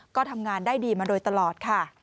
ก็ทำงานได้ดีมาโดยตลอดค่ะ